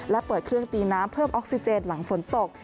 และเปิดเครื่องตีน้ำเพิ่มออกซิเจนหลังฝนตก